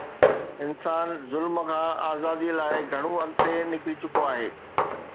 انسان ظلم کان آزاديءَ لاءِ گهڻو اڳتي نڪري چڪو آهي.